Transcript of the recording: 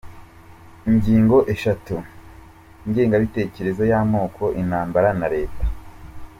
Ingingo eshatu: Ingengabitekerezo y’amoko, intambara, na Leta